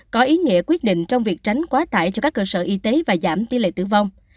có ý nghĩa quyết định trong việc tránh quá tải cho các cơ sở y tế và giảm tỷ lệ tử vong